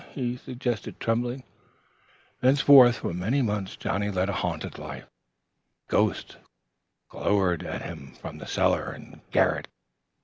he suggested tremblingly. Thenceforth for many months Johnnie led a haunted life. Ghosts glowered at him from cellar and garret.